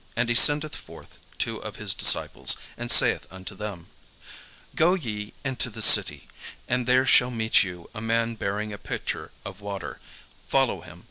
And he sendeth forth two of his disciples, and saith unto them: "Go ye into the city, and there shall meet you a man bearing a pitcher of water: follow him.